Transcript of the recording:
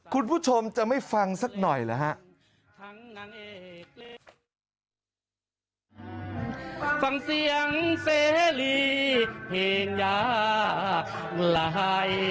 คุณผู้ชมจะไม่ฟังสักหน่อยหรือฮะ